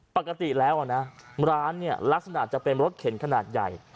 ปกติแล้วนะร้านเนี่ยลักษณะจะเป็นรถเข็นขนาดใหญ่